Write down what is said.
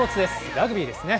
ラグビーですね。